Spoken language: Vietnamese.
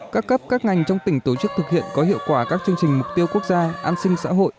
các cấp các ngành trong tỉnh tổ chức thực hiện có hiệu quả các chương trình mục tiêu quốc gia an sinh xã hội